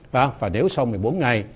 và nếu sau một mươi bốn ngày